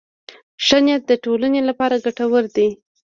ښه نیت د ټولنې لپاره ګټور دی.